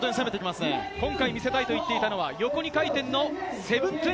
今回見せたいと言っていたのは横２回転の７２０。